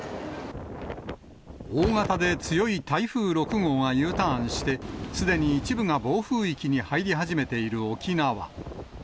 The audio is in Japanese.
大型で強い台風６号がＵターンして、すでに一部が暴風域に入り始めている沖縄。